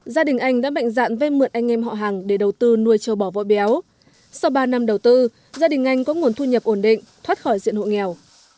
gia đình anh đã mạnh dạn vay mượn anh em họ hàng để đầu tư nuôi trâu bò vỗ béo sau ba năm đầu tư gia đình anh có nguồn thu nhập ổn định thoát khỏi diện hộ nghèo